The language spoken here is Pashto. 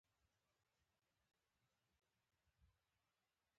دوی به د مشر یا سردار لپاره کاروی